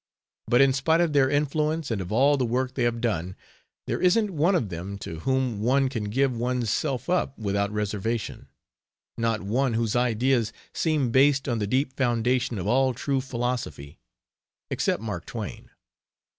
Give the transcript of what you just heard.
But in spite of their influence and of all the work they have done, there isn't one of them to whom one can give one's self up without reservation, not one whose ideas seem based on the deep foundation of all true philosophy, except Mark Twain.